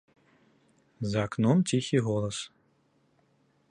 За акном ціхі голас.